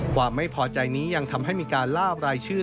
ความไม่พอใจนี้ยังทำให้มีการล่ารายชื่อ